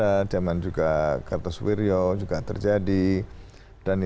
basisnya seperti itu nah kemudiannya sekarang ini karena sudah mengglobal jadi tidak hanya